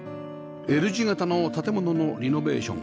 Ｌ 字形の建物のリノベーション